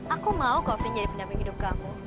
aku mau kok finn jadi pendamping hidup kamu